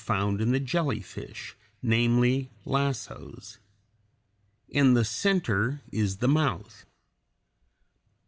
30) found in the jellyfish, namely, lassos. In the center is the mouth.